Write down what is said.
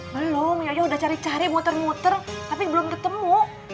belum ya udah cari cari muter muter tapi belum ketemu